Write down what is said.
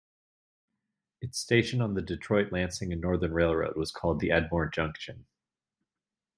Its station on the Detroit, Lansing and Northern Railroad was called "Edmore Junction".